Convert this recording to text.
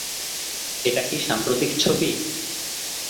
এটা কি সাম্প্রতিক ছবি?